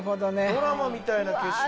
ドラマみたいな景色・